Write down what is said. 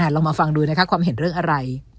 ลองมาฟังดูนะคะความเห็นเรื่องอะไร